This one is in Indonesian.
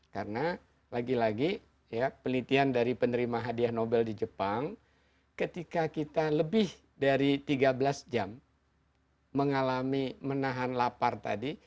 karena lagi lagi ya penelitian dari penerima hadiah nobel di jepang ketika kita lebih dari tiga belas jam mengalami menahan lapar tadi